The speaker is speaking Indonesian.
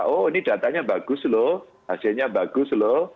katanya bagus loh hasilnya bagus loh